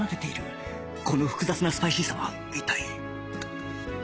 この複雑なスパイシーさは一体